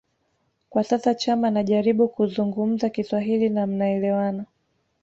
kwa sasa Chama anajaribu kuzungumza Kiswahili na mnaelewana